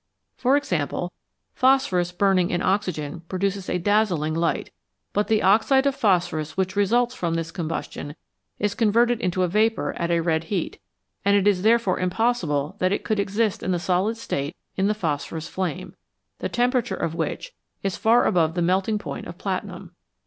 For example, phosphorus burning in oxygen produces a dazzling light ; but the oxide of phosphorus which results from the combustion is converted into a vapour at a red heat, and it is therefore impossible that it could exist in the solid state in the phosphorus flame, the temperature of which is far above the melting point of platinum.